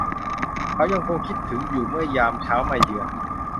เขายังคงคิดถึงอยู่เมื่อยามเช้ามาเยือน